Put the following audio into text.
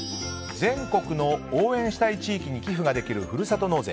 全国の応援したい地域に寄付ができるふるさと納税。